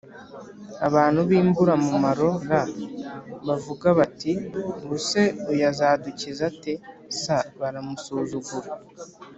abantu b imburamumaro r baravuga bati ubu se uyu azadukiza ate s Baramusuzugura